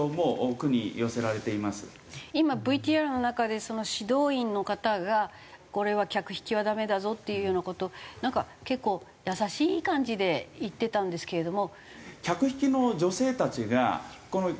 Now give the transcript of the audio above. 今ＶＴＲの中でその指導員の方が「これは客引きはダメだぞ」っていうような事をなんか結構優しい感じで言ってたんですけれども。